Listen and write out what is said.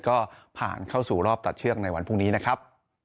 ก็ผ่านเข้าสู่รอบตัดเชือกในวันพรุ่งนี้นะครับ